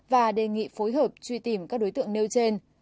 và đề nghị phối hợp truy tìm các đối tượng nêu trên